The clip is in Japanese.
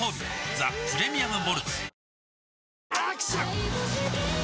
ザ・プレミアム・モルツ」